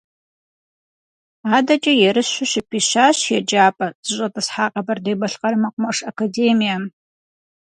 Адэкӏэ ерыщу щыпищащ еджапӏэ зыщӏэтӏысхьа Къэбэрдей-Балъкъэр мэкъумэш академием.